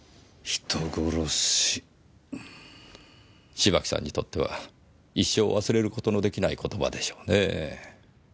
芝木さんにとっては一生忘れる事のできない言葉でしょうねぇ。